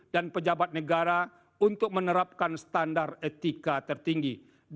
dan pejabat negara untuk menerapkan standar etika tertinggi